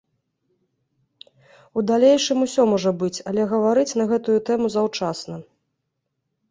У далейшым усё можа быць, але гаварыць на гэтую тэму заўчасна.